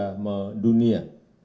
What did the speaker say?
saya kira me dunia